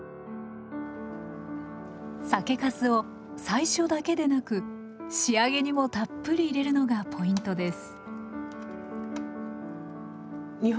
酒粕を最初だけでなく仕上げにもたっぷり入れるのがポイントです。